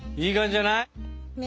いい感じじゃない？